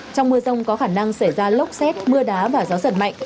trong mưa rông có khả năng xảy ra lốc xét mưa đá và gió giật mạnh